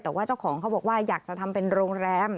แต่ว่าเจ้าของเขาบอกว่าอยากจะทำเป็นโรงแรม